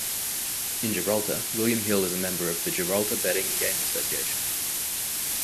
In Gibraltar William Hill is a member of the Gibraltar Betting and Gaming Association.